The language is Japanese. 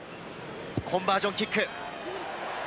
コンバージョンキック。